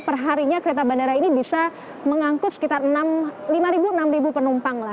perharinya kereta bandara ini bisa mengangkut sekitar lima enam penumpang